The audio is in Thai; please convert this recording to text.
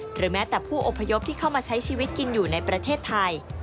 หรือแม้แต่ผู้อพยพที่เข้ามาใช้ชีวิตกินอยู่ในประเทศไทย